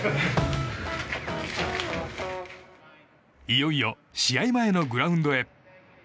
いよいよ試合前のグラウンドへ。